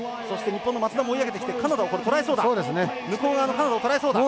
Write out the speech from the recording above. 日本の松田も追い上げてきてカナダをとらえそうだ。